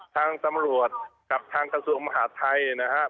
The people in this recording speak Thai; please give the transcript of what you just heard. ทางตำรวจกับทางกระทรวงมหาดไทยนะครับ